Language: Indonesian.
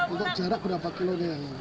untuk jarak berapa kilo